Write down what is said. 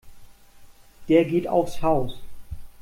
Der geht aufs Haus.